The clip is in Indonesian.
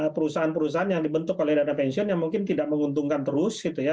perusahaan perusahaan yang dibentuk oleh dana pensiun yang mungkin tidak menguntungkan terus gitu ya